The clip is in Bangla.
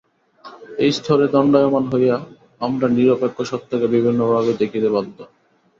এই স্তরে দণ্ডায়মান হইয়া আমরা নিরপেক্ষ সত্যকে বিভিন্নভাবে দেখিতে বাধ্য।